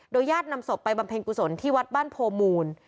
ญาตินำศพไปบำเพ็ญกุศลที่วัดบ้านโพมูล